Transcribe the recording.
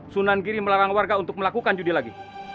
sunan giri melarang warga untuk melakukan judi lagi